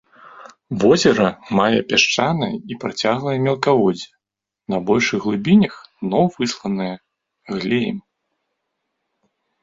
Возера мае пясчанае і працяглае мелкаводдзе, на большых глыбінях дно высланае глеем.